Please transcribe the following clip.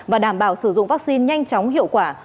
và đảm bảo sử dụng vaccine nhanh chóng hiệu quả